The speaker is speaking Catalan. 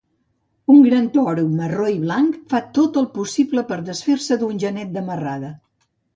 Un gran toro marró i blanc fa tot el possible per desfer-se d'un genet de marrada.